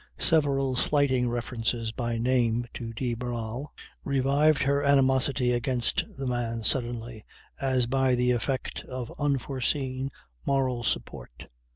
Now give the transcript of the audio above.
Several slighting references by name to de Barral revived her animosity against the man, suddenly, as by the effect of unforeseen moral support.